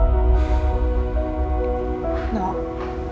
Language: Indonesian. gak usah pikirin yang lain dulu no